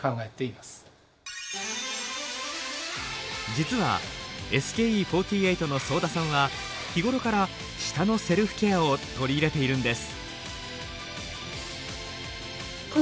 実はＳＫＥ４８の惣田さんは日頃から舌のセルフケアを取り入れているんです。